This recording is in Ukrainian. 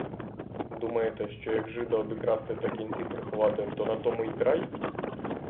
Думаєте, що як жида обікрасти та кінці приховати, то на тому й край?